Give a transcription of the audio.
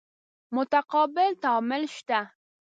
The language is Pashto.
متقابل تعامل شته.